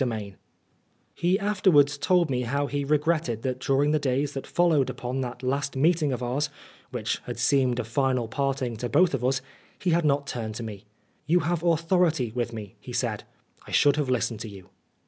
118 XI HE afterwards told me how he regretted that during the days that followed upon that last meeting of ours, which had seemed a final parting to both of us, he had not turned to me. " You have authority with me," he said. " I should have listened to you."